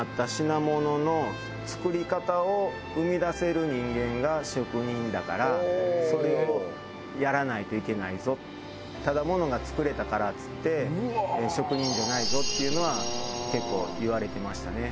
この時西堀さんの支えとなっていたのがだからそれをやらないといけないぞただモノが作れたからっつって職人じゃないぞっていうのは結構言われてましたね